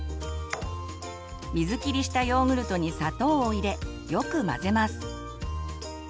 水切りしたヨーグルトに砂糖を入れよく混ぜます。